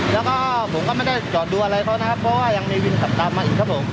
แล้วก็ผมก็ไม่ได้จอดดูอะไรเขานะครับเพราะว่ายังมีวินขับตามมาอีกครับผม